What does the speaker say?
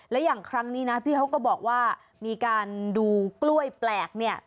และอย่างครั้งนี้นะพี่เขาก็บอกว่ามีการดูกล้วยแปลกเนี่ย